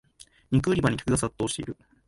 肉売り場に客が殺到してる